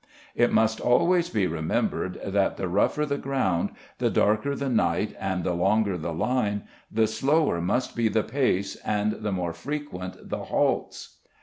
It must always be remembered that the rougher the ground, the darker the night and the longer the line, the slower must be the pace and the more frequent the halts.